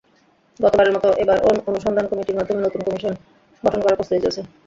গতবারের মতো এবারও অনুসন্ধান কমিটির মাধ্যমে নতুন কমিশন গঠন করার প্রস্তুতি চলছে।